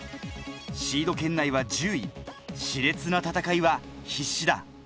シード圏内は１０位、熾烈な戦いは必至だ。